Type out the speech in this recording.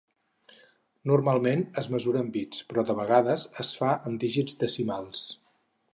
Normalment es mesura en bits, però de vegades es fa en dígits decimals.